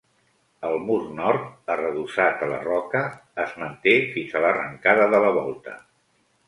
El mur nord, arredossat a la roca, es manté fins a l'arrancada de la volta.